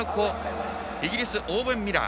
イギリス、オーウェン・ミラー。